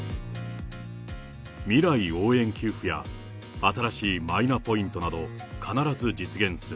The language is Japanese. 未来応援給付や新しいマイナポイントなど、必ず実現する。